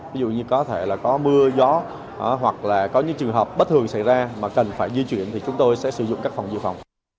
ví dụ như có thể là có mưa gió hoặc là có những trường hợp bất thường xảy ra mà cần phải di chuyển thì chúng tôi sẽ sử dụng các phòng dự phòng